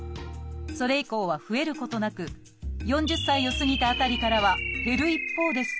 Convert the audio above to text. それ以降は増えることなく４０歳を過ぎた辺りからは減る一方です。